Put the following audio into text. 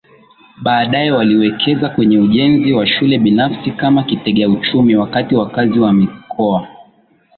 baadaye waliwekeza kwenye ujenzi wa shule binafsi kama kitegauchumi wakati wakazi wa mikoa